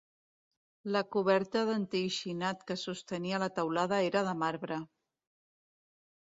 La coberta d'enteixinat que sostenia la teulada era de marbre.